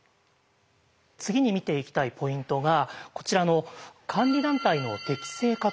次に見ていきたいポイントがこちらの監理団体の適正化というものです。